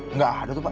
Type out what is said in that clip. nggak ada tuh pak